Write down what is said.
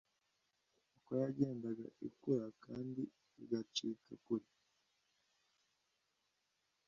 uko yagendaga ikura kandi igacika kure